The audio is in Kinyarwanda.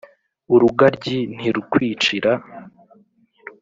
urugaryi ntirukwicira.